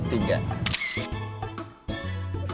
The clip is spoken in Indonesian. satu dua tiga